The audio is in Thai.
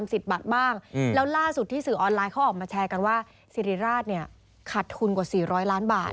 ศิริราชขาดทุนกว่า๔๐๐ล้านบาท